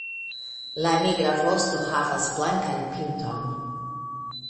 La nigra vosto havas blankan pinton.